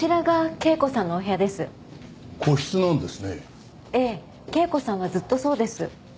圭子さんはずっとそうです。